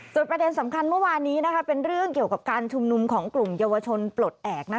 ส่วนประเด็นสำคัญเมื่อวานนี้เป็นเรื่องเกี่ยวกับการชุมนุมของกลุ่มเยาวชนปลดแอบ